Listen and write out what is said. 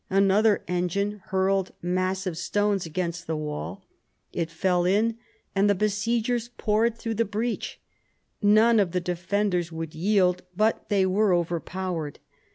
An other engine hurled massive stones against the wall. It fell in, and the besiegers poured through the breach. None of the defenders would yield, but they were overpowered.